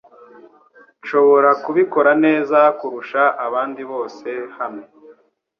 Nshobora kubikora neza kurusha abandi bose hano .